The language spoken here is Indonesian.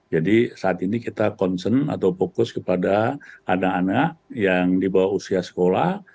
jadi pada saat ini kita concern atau fokus kepada anak anak yang di bawah usia sekolah